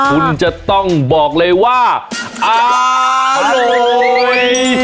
คุณจะต้องบอกเลยว่าอร่อย